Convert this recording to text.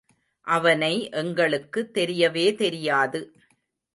அவனை எங்களுக்கு தெரியவே தெரியாது.